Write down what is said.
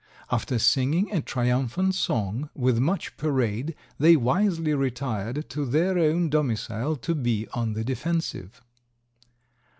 After singing a triumphant song with much parade they wisely retired to their own domicile to be on the defensive.